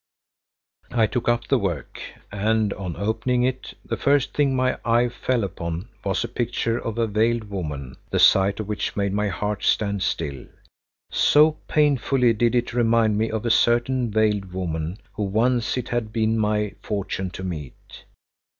I took up the work and on opening it the first thing my eye fell upon was a picture of a veiled woman, the sight of which made my heart stand still, so painfully did it remind me of a certain veiled woman whom once it had been my fortune to meet.